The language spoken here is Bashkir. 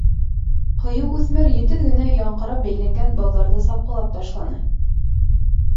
Ҡыйыу үҫмер етеҙ генә яңҡыраҡ бәйләнгән бауҙарҙы сапҡылап ташланы.